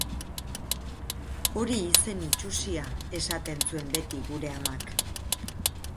Hori izen itsusia, esaten zuen beti gure amak.